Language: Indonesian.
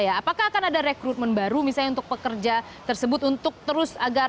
apakah akan ada rekrutmen baru misalnya untuk pekerja tersebut untuk terus agar